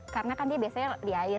karena kan dia biasanya di air